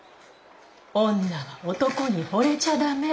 女は男にほれちゃ駄目。